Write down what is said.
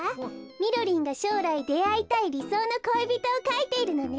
みろりんがしょうらいであいたいりそうの恋人をかいているのね。